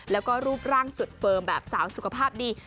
แล้วก็รูปร่างสุดเฟิร์มแบบสาวสุขภาพดี